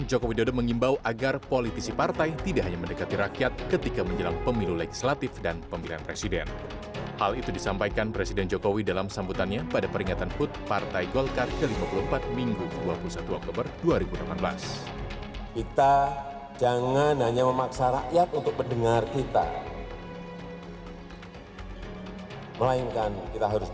jokowi mengingatkan pada partai pendukung menyebut akan ada pihak yang dekat dengan warga karena diliput media dua puluh empat jam